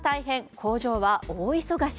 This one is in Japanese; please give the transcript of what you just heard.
工場は大忙し。